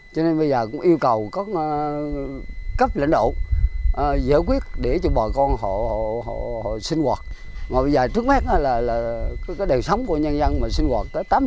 cho nên bây giờ cũng yêu cầu các cấp lãnh đạo giải quyết để cho bà con họ